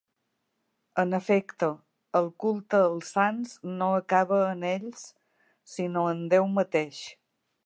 En efecte, el culte als sants no acaba en ells, sinó en Déu mateix.